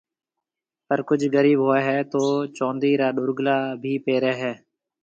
پر ڪجه غرِيب هوئي هيَ تو چوندِي را ڏورگلا بي پيري هيَ۔